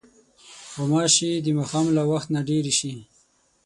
غوماشې د ماښام له وخت نه ډېرې شي.